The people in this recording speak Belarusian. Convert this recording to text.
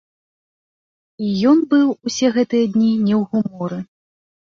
І ён быў усе гэтыя дні не ў гуморы.